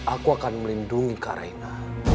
aku akan melindungi kak reina